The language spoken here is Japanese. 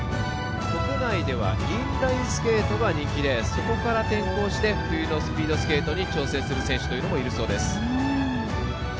国内ではインラインスケートが人気で、そこから転向して冬のスピードスケートに挑戦する選手というのもいるそうです。